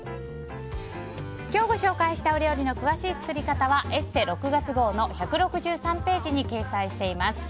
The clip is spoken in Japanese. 今日ご紹介した料理の詳しい作り方は「ＥＳＳＥ」６月号の１６３ページに掲載しています。